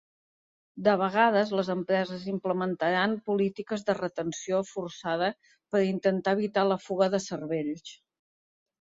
De vegades, les empreses implementaran polítiques de retenció forçada per intentar evitar la fuga de cervells.